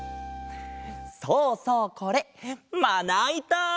そうそうこれまないた！